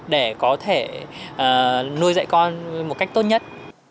để có thể nuôi dạy con một cách tốt nhất